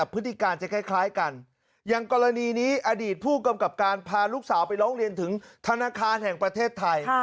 พาลูกสาวไปร้องเรียนถึงธนาคารแห่งประเทศไทย